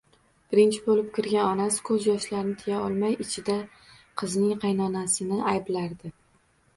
Birinchi bo`lib kirgan onasi ko`z yoshlarini tiya olmay ichida qizining qaynonasini ayblardi